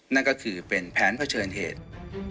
นั่นก็คือเป็นแผนเผชิญเหตุ